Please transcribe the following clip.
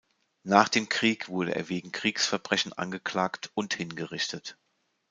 Nach dem Krieg wurde er wegen Kriegsverbrechen angeklagt und hingerichtet.